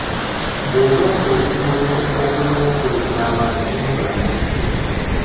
Bw’oba ng’oli ku mulimu ogulimu okukozesa amaanyi toyambala makisiki.